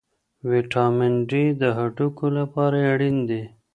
ویټامن ډي د هډوکو لپاره اړین دی.